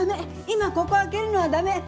今ここを開けるのは駄目！